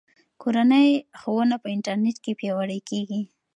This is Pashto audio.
کورنۍ ښوونه په انټرنیټ پیاوړې کیږي.